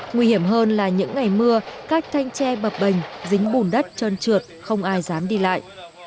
nguy hiểm hơn là những ngày mưa các thanh tre bập bềnh dính bùn đất trơn trượt không ai dám đi lại